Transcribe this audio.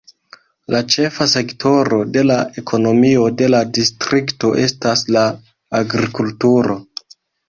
La ĉefa sektoro de la ekonomio de la distrikto estas la agrikulturo.